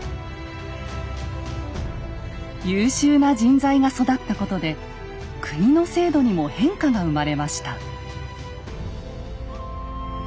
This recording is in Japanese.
優秀な人材が育ったことで国の制度にも変化が生まれました。